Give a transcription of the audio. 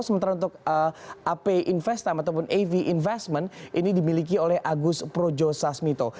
sementara untuk ap investam ataupun av investment ini dimiliki oleh agus projo sasmito